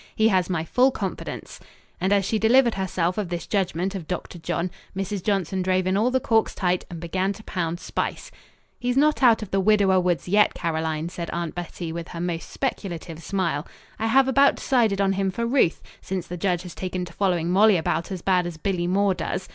He has my full confidence," and as she delivered herself of this judgment of Dr. John, Mrs. Johnson drove in all the corks tight and began to pound spice. "He's not out of the widower woods yet, Caroline," said Aunt Bettie with her most speculative smile. "I have about decided on him for Ruth since the judge has taken to following Molly about as bad as Billy Moore does.